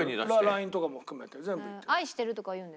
ＬＩＮＥとかも含めて全部言ってる。